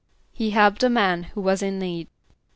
=He helped a man who was in need.